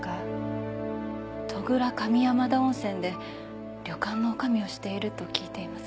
戸倉上山田温泉で旅館の女将をしていると聞いています。